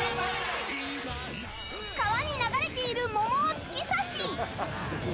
川に流れている桃を突き刺し。